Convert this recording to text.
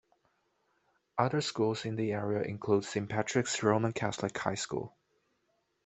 Other schools in the area include Saint Patrick's Roman Catholic High School.